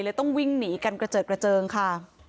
ต้องวิ่งหนีกันกระเจิดกระเจิงค่ะ